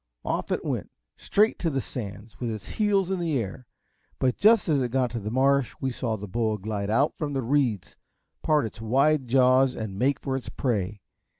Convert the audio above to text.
Off it went, straight to the sands, with its heels in the air, but just as it got to the marsh we saw the boa glide out from the reeds, part its wide jaws and make for its prey.